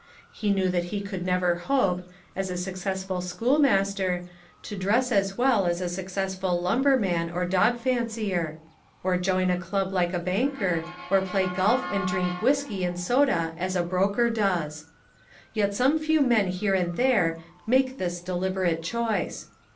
He knew that he could never hope, as a success ful schoolmaster, to dress as well as a success ful lumberman or dog fancier, or join a club 169 Essays and Literary Studies like a banker or play golf and drink whiskey and soda as a broker does. Yet some few men here and there make this deliberate choice.